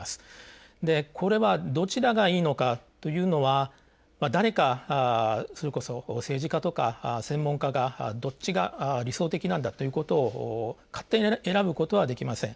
でこれはどちらがいいのかというのは誰かそれこそ政治家とか専門家がどっちが理想的なんだということを勝手に選ぶことはできません。